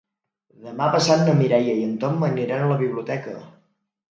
Demà passat na Mireia i en Tom aniran a la biblioteca.